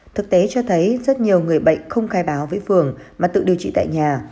thực tế cho thấy rất nhiều người bệnh không khai báo với phường mà tự điều trị tại nhà